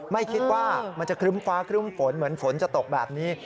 ไม่คิดว่ามันจะครึ้มฟ้าครึ่มฝนเหมือนฝนจะตกแบบนี้